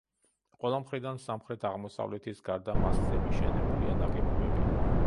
ყველა მხრიდან სამხრეთ-აღმოსავლეთის გარდა მასზე მიშენებულია ნაგებობები.